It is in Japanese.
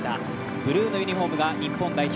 ブルーのユニフォームが日本代表。